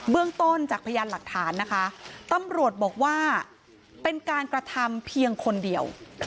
เรื่องต้นจากพยานหลักฐานนะคะตำรวจบอกว่าเป็นการกระทำเพียงคนเดียว